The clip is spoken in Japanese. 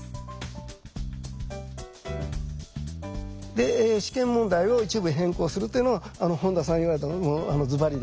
で「試験問題を一部変更する」っていうのは本田さん言われたのずばりでした。